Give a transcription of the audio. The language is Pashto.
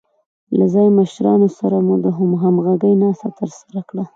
له ځايي مشرانو سره مو د همغږۍ ناسته ترسره کړه.